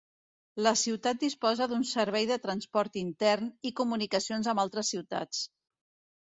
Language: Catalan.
La ciutat disposa d'un servei de transport intern, i comunicacions amb altres ciutats.